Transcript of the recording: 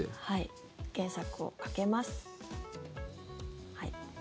検索をかけます。